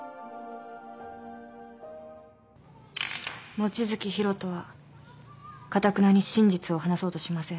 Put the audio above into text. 望月博人はかたくなに真実を話そうとしません。